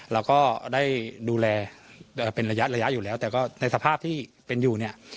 เราก็ได้ดูแลเป็นระยะระยะอยู่แล้วแต่ก็ในสภาพที่เป็นอยู่เนี่ย